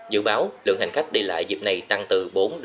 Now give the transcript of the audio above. dự báo lượng hành khách đi lại dịp này tăng từ bốn năm